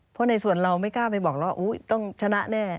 เพราะในส่วนเราไม่กล้าไปบอกแล้วต้องชนะแน่